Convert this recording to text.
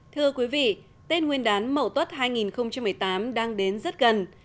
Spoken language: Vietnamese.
thưa quý vị tết nguyên đán mậu tuất hai nghìn một mươi tám đang đến rất gần